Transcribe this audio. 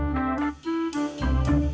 masa mas erwin sendiri